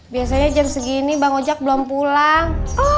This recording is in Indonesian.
biasanya jam segini bang ojek belum pulang